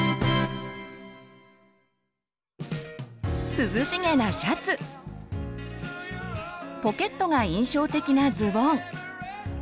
涼しげなシャツポケットが印象的なズボン